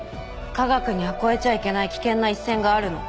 科学には越えちゃいけない危険な一線があるの。